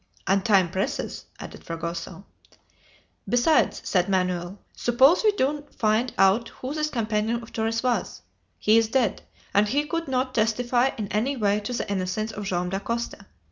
"And time presses!" added Fragoso. "Besides," said Manoel, "suppose we do find out who this companion of Torres was, he is dead, and he could not testify in any way to the innocence of Joam Dacosta.